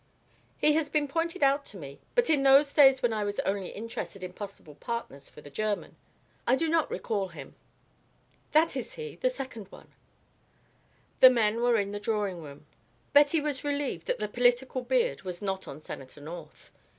"He has been pointed out to me, but in those days when I was only interested in possible partners for the German. I do not recall him." "That is he, the second one." The men were entering the drawing room. Betty was relieved that the political beard was not on Senator North.